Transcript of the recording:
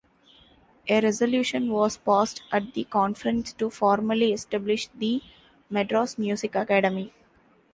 A resolution was passed at the conference to formally establish the Madras Music Academy.